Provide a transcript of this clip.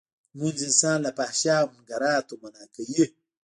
لمونځ انسان له فحشا او منکراتو منعه کوی.